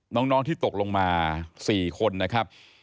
น้องที่ตกลงมา๔คนนะครับ